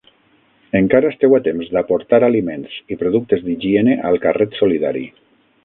Encara esteu a temps d'aportar aliments i productes d'higiene al carret solidari.